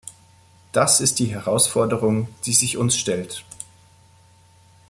Das ist die Herausforderung, die sich uns stellt.